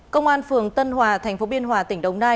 công an phường tân hòa tp biên hòa tỉnh đồng nai